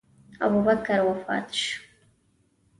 ابوبکر وفات شو.